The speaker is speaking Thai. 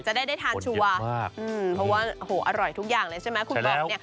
จะได้ทานชัวร์หว่าโอ้โหอร่อยทุกอย่างเลยใช่ไหมคุณบอกเนี่ยใช่แล้ว